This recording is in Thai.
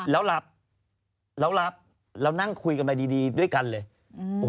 แล้วหลับแล้วหลับเรานั่งคุยกันไปดีด้วยกันเลย